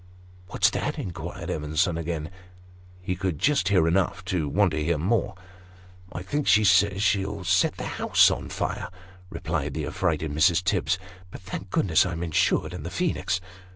"What's that?" inquired Evenson again. He could just hear enough to want to hear more. " I think she says she'll set the house on fire," replied the affrighted Mrs. Tibbs. " But thank God I'm insured in the Phoenix